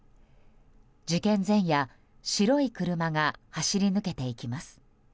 事件前夜、白い車が走り抜けていきます。